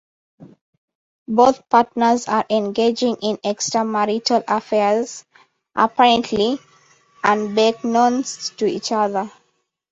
Both partners are engaging in extramarital affairs, apparently unbeknownst to each other.